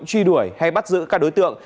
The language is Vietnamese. truy đuổi hay bắt giữ các đối tượng